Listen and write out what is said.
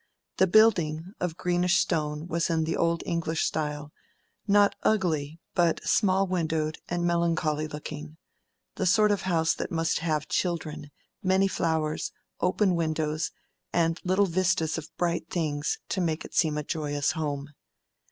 The building, of greenish stone, was in the old English style, not ugly, but small windowed and melancholy looking: the sort of house that must have children, many flowers, open windows, and little vistas of bright things, to make it seem a joyous home.